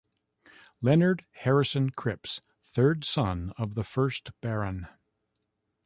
Leonard Harrison Cripps, third son of the first Baron.